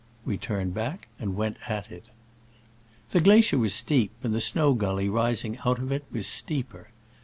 We turned back and went at it. The glacier was steep, and the snow gully rising out of it was steeper.